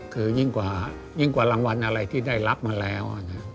คือยิ่งกว่ารางวัลอะไรที่ได้รับมาแล้ว